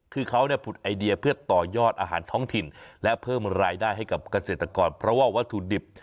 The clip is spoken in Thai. คือเขาเนี่ยผุดไอเดียเพื่อต่อยอดอาหารท้องถิ่นและเพิ่มรายได้ให้กับเกษตรกรเพราะว่าวัตถุดิบ